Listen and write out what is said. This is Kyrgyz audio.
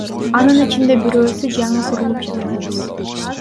Анын ичинде бирөөсү жаңы курулуп жатат.